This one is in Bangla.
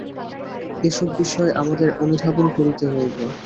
এইসব বিষয় আমাদের অনুধাবন করিতে হইবে।